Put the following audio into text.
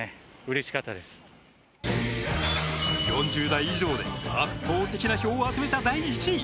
４０代以上で圧倒的な票を集めた第１位。